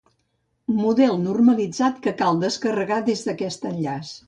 Model normalitzat que cal descarregar des d'aquest enllaç.